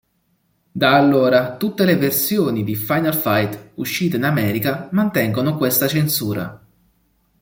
Da allora, tutte le versioni di "Final Fight" uscite in America mantengono questa censura.